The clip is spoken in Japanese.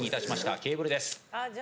ケーブルです。